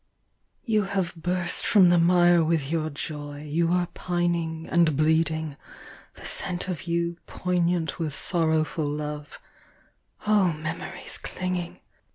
You have burst from the mire with your joy, you are pining and bleeding, The scent of you poignant with sorrowful love, — O memories clinging